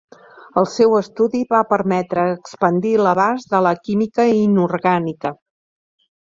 El seu estudi va permetre expandir l'abast de la química inorgànica.